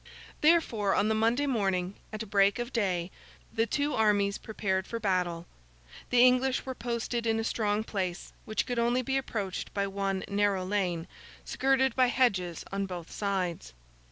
Therefore, on the Monday morning, at break of day, the two armies prepared for battle. The English were posted in a strong place, which could only be approached by one narrow lane, skirted by hedges on both sides.